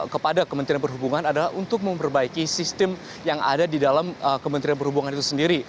kepada kementerian perhubungan adalah untuk memperbaiki sistem yang ada di dalam kementerian perhubungan itu sendiri